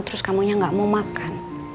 terus kamu nya gak mau makan